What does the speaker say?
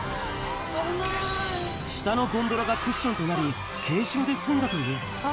下のゴンドラがクッションとなり、軽傷で済んだという。